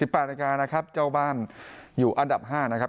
๘นาฬิกานะครับเจ้าบ้านอยู่อันดับ๕นะครับ